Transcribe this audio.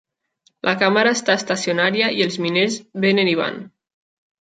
La càmera està estacionària i els miners vénen i van.